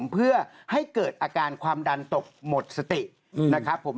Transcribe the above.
เพื่อให้เกิดอาการความดันตกหมดสตินะครับผม